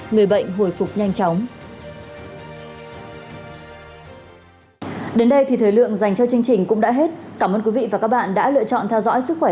người bệnh hồi phục nhanh chóng